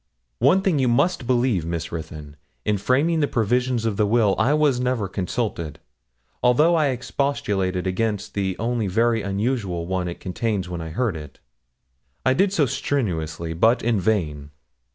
One thing you must believe Miss Ruthyn: in framing the provisions of the will I was never consulted although I expostulated against the only very unusual one it contains when I heard it. I did so strenuously, but in vain.